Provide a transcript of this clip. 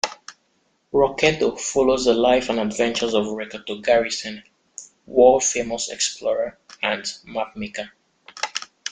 "Rocketo" follows the life and adventures of Rocketo Garrison, world-famous explorer and mapmaker.